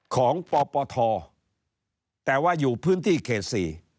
ของปปทแต่ว่าอยู่พื้นที่เขต๔